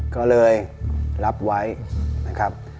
ก็เลยรับไว้นะครับ